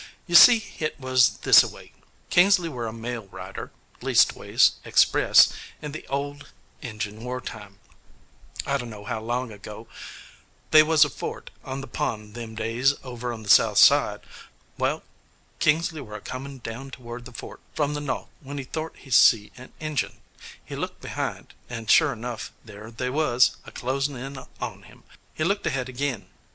You see hit was this a way: Kingsley were a mail rider leastways, express in the old Injun wartime, I dunno how long ago. They was a fort on the pond them days, over on the south side. Wal, Kingsley were a comin' down toward the fort from the no'th when he thort he see an Injun. He looked behind, and, sure enough, there they was, a closin' in on him. He looked ahead agin.